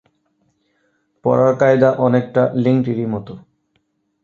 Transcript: পরার কায়দা অনেকটা লেংটিরই মতো।